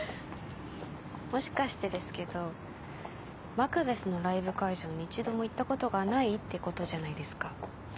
もしかしてですけどマクベスのライブ会場に一度も行ったことがないってことじゃないですか。